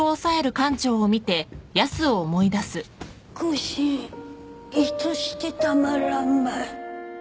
腰んいとしてたまらんばい